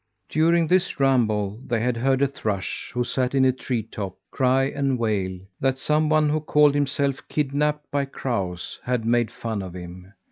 During this ramble they had heard a thrush, who sat in a tree top, cry and wail that someone, who called himself Kidnapped by Crows, had made fun of him.